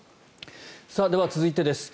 では、続いてです。